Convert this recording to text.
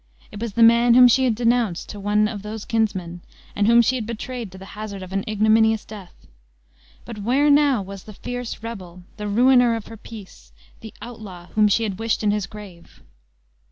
It was the man whom she had denounced to one of those kinsmen, and whom she had betrayed to the hazard of an ignominious death! But where now was the fierce rebel the ruiner of her peace the outlaw whom she had wished in his grave?